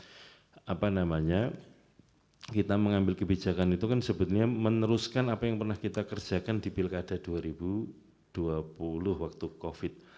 dengan apa namanya kita mengambil kebijakannya kan meneruskan apa kita kerjakan di pilkada dua ribu dua puluh waktu covid